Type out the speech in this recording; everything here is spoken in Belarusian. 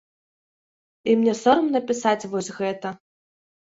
І мне сорамна пісаць вось гэта.